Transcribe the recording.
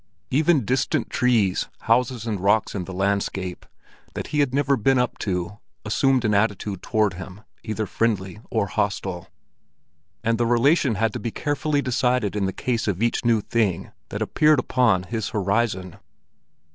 Even distant trees, houses and rocks in the landscape, that he had never been up to, assumed an attitude toward him, either friendly or hostile; and the relation had to be carefully decided in the case of each new thing that appeared upon his horizon.